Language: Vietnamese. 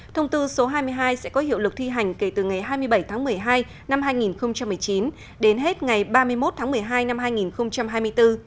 thông tư số hai mươi hai sẽ có hiệu lực thi hành kể từ ngày hai mươi bảy tháng một mươi hai năm hai nghìn một mươi chín đến hết ngày ba mươi một tháng một mươi hai năm hai nghìn hai mươi bốn